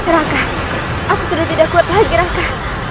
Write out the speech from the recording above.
raka aku sudah tidak kuat lagi raka